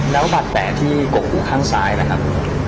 แล้วบัตรแต่ที่กลบหูข้างซ้ายนะครับ